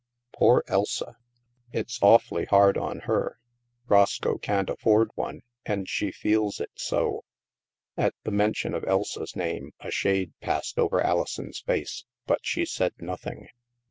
Poor Elsa ! It's 222 THE MASK awfully hard on her. Roscoe can't aflFord one, and she feels it so." At the mention of Elsa's name, a shade passed over Alison's face, but she said nothing.